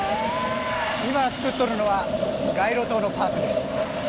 今作っとるのは街路灯パーツです。